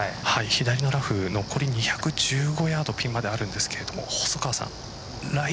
左のラフ残り２１５ヤードピンまであるんですけど細川さん